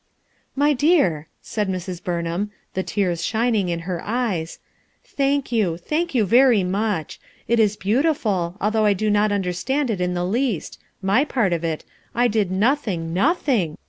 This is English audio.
"My dear/' said Mrs, Burnham, the tears shining in her eyes, "thank you; thank you very much; it is beautiful, although I do not understand it in the least — ray part of it; I did nothing, nothing!